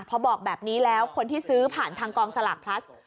พอบอกแบบนี้แล้วคนที่ซื้อผ่านทางกองสลากพลัส